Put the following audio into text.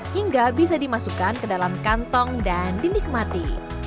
hingga bisa dimasukkan ke dalam kantong dan dinikmati